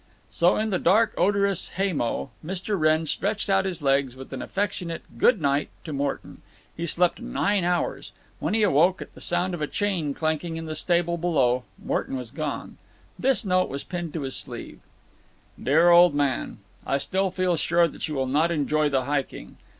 So in the dark odorous hay mow Mr. Wrenn stretched out his legs with an affectionate "good night" to Morton. He slept nine hours. When he awoke, at the sound of a chain clanking in the stable below, Morton was gone. This note was pinned to his sleeve: DEAR OLD MAN,—I still feel sure that you will not enjoy the hiking.